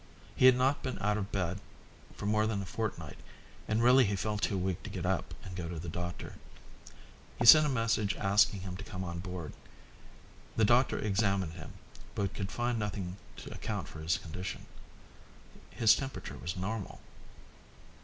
He had not been out of his bed for more than a fortnight and really he felt too weak to get up and go to the doctor. He sent a message asking him to come on board. The doctor examined him, but could find nothing to account for his condition. His temperature was normal.